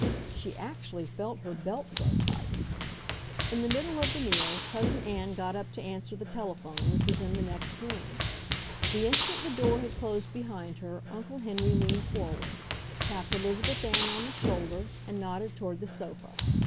She actually felt her belt grow tight. In the middle of the meal Cousin Ann got up to answer the telephone, which was in the next room. The instant the door had closed behind her Uncle Henry leaned forward, tapped Elizabeth Ann on the shoulder, and nodded toward the sofa.